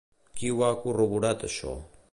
Qui ha corroborat això?